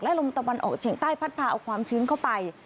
ลมตะวันออกเฉียงใต้พัดพาเอาความชื้นเข้าไป